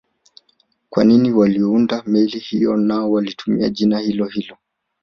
Kwa nini waliounda meli hiyo nao walitumia jina hilohilo